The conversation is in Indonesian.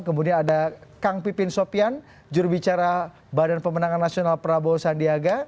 kemudian ada kang pipin sopian jurubicara badan pemenangan nasional prabowo sandiaga